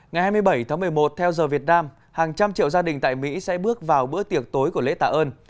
ngày hai mươi bảy tháng một mươi một theo giờ việt nam hàng trăm triệu gia đình tại mỹ sẽ bước vào bữa tiệc tối của lễ tạ ơn